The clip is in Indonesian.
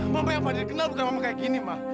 mama yang fadil kenal bukan mama kayak gini ma